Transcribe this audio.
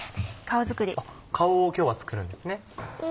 顔を今日は作るんですね。